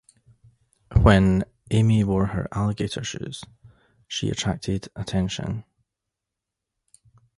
When Amy wore her alligator shoes, she attracted attention.